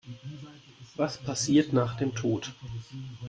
Was passiert nach dem Tod?